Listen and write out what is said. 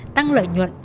tăng lợi nhuận